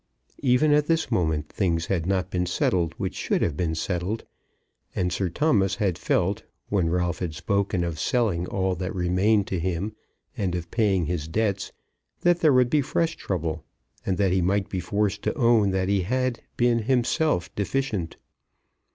Even at this moment things had not been settled which should have been settled; and Sir Thomas had felt, when Ralph had spoken of selling all that remained to him and of paying his debts, that there would be fresh trouble, and that he might be forced to own that he had been himself deficient.